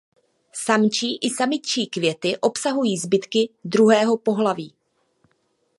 Samčí i samičí květy obsahují zbytky druhého pohlaví.